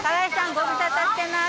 ご無沙汰してます